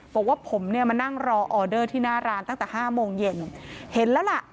บอกว่าผมเนี่ยมานั่งรอออเดอร์ที่หน้าร้านตั้งแต่ห้าโมงเย็นเห็นแล้วล่ะ